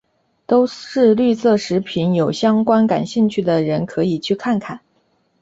都是绿色食品有相关感兴趣的人可以去看看。